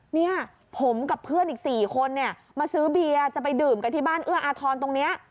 เนี่ยผมกับเพื่อนอีก๔คนเนี่ยมาซื้อเบียร์จะไปดื่มกันที่บ้านเอื้ออาทรตรงนี้